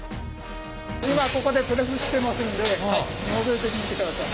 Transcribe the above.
今ここでプレスしてますんでのぞいてみてください。